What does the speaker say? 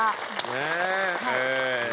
ねえ。